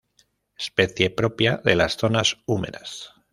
Especie propia de las zonas húmedas.